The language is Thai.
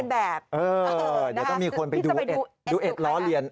เดี๋ยวต้องมีคนไปดูเอ็ดล้อเลียน